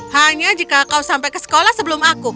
hanya jika kau sampai ke sekolah sebelum aku